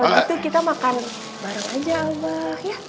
kalo gitu kita makan bareng aja abah ya